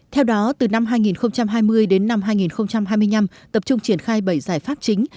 theo đó từ năm hai nghìn hai mươi đến năm hai nghìn hai mươi năm tập trung triển khai bảy giải pháp chính